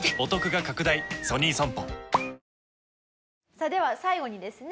さあでは最後にですね